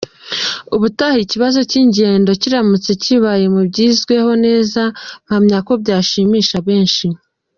Ubutaha ikibazo cy’ingendo kiramutse kibaye mu byizweho neza, mpamya ko byazashimisha benshi.